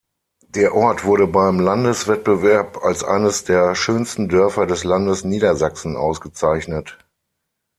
Der Ort wurde beim Landeswettbewerb als eines der schönsten Dörfer des Landes Niedersachsen ausgezeichnet.